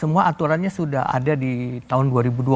semua aturannya sudah ada di tahun dua ribu dua puluh